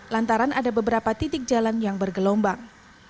lantaran ada beberapa titik jalan yang bergelombang